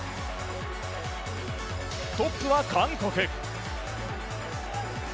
トップは韓国。